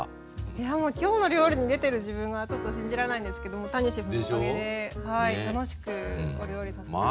いやもう「きょうの料理」に出てる自分がちょっと信じられないんですけども谷シェフのおかげで楽しくお料理させてもらいました。